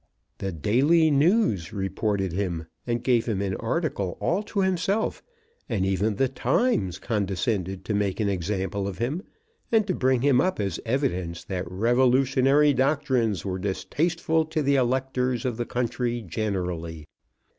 The "Daily News" reported him, and gave him an article all to himself; and even the "Times" condescended to make an example of him, and to bring him up as evidence that revolutionary doctrines were distasteful to the electors of the country generally.